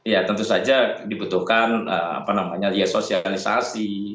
ya tentu saja dibutuhkan apa namanya ya sosialisasi